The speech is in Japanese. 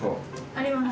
あります。